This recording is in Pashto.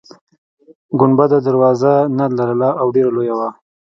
ګنبده دروازه نلرله او ډیره لویه وه.